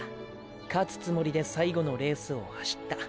勝つつもりで最後のレースを走った。